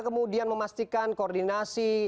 kemudian memastikan koordinasi